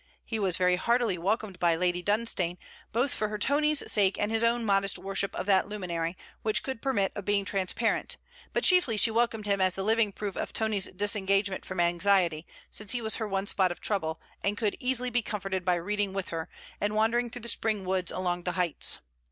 He was very heartily welcomed by Lady Dunstane, both for her Tony's sake and his own modest worship of that luminary, which could permit of being transparent; but chiefly she welcomed him as the living proof of Tony's disengagement from anxiety, since he was her one spot of trouble, and could easily be comforted by reading with her, and wandering through the Spring woods along the heights.